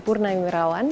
purna yung rawan